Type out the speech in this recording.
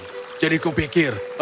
jadi kupikir aku akan membersihkan jalan